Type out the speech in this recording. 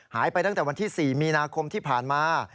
หายไปตั้งแต่วันที่๔มีนาคมที่ผ่านมา